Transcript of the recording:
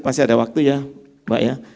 pasti ada waktu ya mbak ya